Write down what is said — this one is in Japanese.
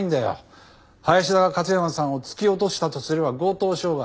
林田が勝山さんを突き落としたとすれば強盗傷害。